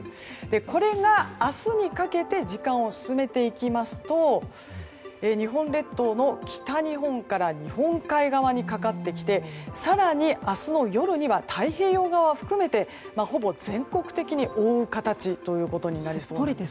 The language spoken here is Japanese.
これが明日にかけて時間を進めていきますと日本列島の北日本から日本海側にかかってきて更に、明日の夜には太平洋側を含めてほぼ全国的に覆う形となりそうです。